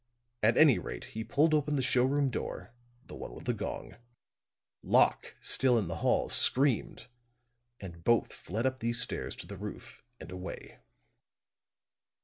At any rate he pulled open the showroom door the one with the gong; Locke, still in the hall, screamed and both fled up these stairs to the roof and away."